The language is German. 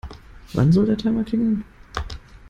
Wann soll der Timer klingeln?